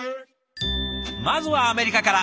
まずはアメリカから。